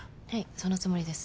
そのつもりです。